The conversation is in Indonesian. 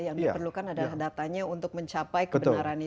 yang diperlukan adalah datanya untuk mencapai kebenaran itu